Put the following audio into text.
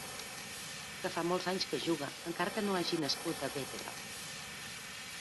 Que fa molts anys que juga, encara que no hagi nascut a Bétera.